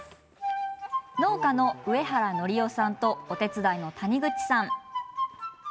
農家の上平典生さんとお手伝いの谷口さん。